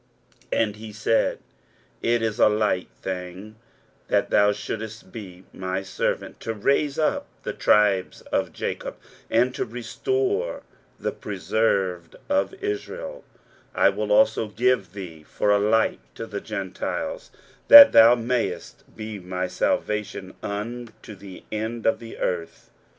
23:049:006 And he said, It is a light thing that thou shouldest be my servant to raise up the tribes of Jacob, and to restore the preserved of Israel: I will also give thee for a light to the Gentiles, that thou mayest be my salvation unto the end of the earth.